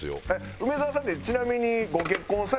梅沢さんってちなみに。